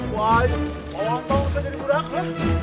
wah ini kalau tau saya jadi burak ya